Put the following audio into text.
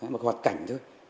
một hoạt cảnh thôi